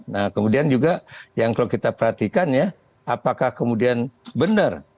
nah kemudian juga yang kalau kita perhatikan ya apakah kemudian benar